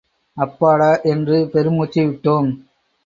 அப்பாடா என்று பெருமூச்சு விட்டோம்.